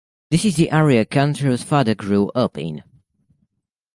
This is the area Cantrell's father grew up in.